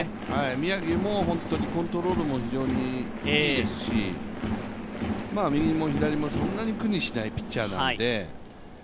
宮城もコントロールも非常にいいですし、右も左もそんなに苦にしないピッチャーなので。